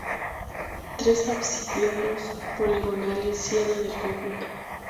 Tres absidiolos poligonales cierran el conjunto.